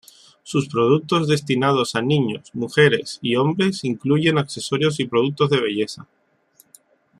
Sus productos destinados a niños, mujeres y hombres incluyen accesorios y productos de belleza.